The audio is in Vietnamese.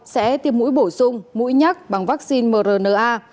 sẽ tiêm mũi bổ sung mũi nhác bằng vaccine mrna